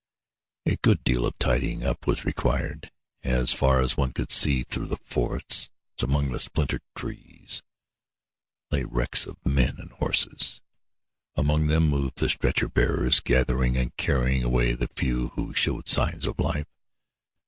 A good deal of "tidying up" was required. As far as one could see through the forests, among the splintered trees, lay wrecks of men and horses. Among them moved the stretcher bearers, gathering and carrying away the few who showed signs of life.